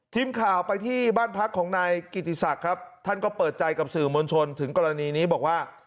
ทีมข่าวไปที่บ้านพักของนายกิติศักดิ์ครับท่านก็เปิดใจกับสื่อมวลชนถึงกรณีนี้บอกว่า